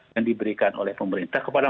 yang diberikan oleh pemerintah kepada